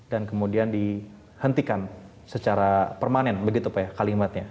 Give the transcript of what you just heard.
dan kemudian dihentikan secara permanen begitu pak ya kalimatnya